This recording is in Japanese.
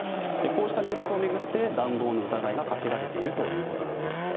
こうした入札を巡って談合の疑いがかけられているということなんです。